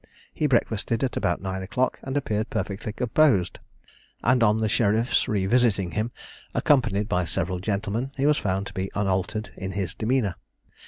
He breakfasted at about nine o'clock, and appeared perfectly composed; and on the sheriffs revisiting him, accompanied by several gentlemen, he was found to be unaltered in his demeanour.